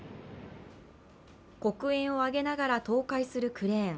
黒煙を上げながら倒壊するクレーン。